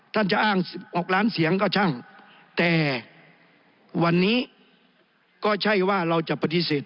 ท่านจะอ้าง๑๖ล้านเสียงก็ช่างแต่วันนี้ก็ใช่ว่าเราจะปฏิเสธ